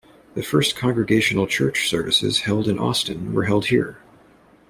The first Congregational church services held in Austin were held here.